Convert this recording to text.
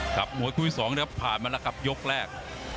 กลับมวยคุยสองแล้วครับผ่านมาแล้วกับยกแรก